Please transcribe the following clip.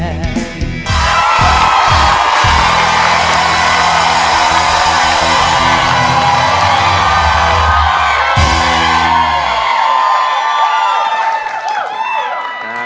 เฮ้ย